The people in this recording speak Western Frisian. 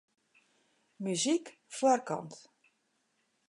Muzyk foarkant.